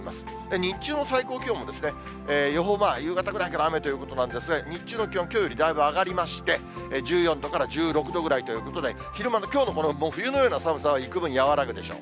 日中の最高気温も、予報、夕方ぐらいから雨ということなんですが、日中の気温、きょうよりだいぶ上がりまして、１４度から１６度ぐらいということで、昼間のきょうの冬のような寒さはいくぶん和らぐでしょう。